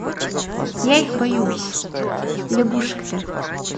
Я их боюсь, лягушек-то.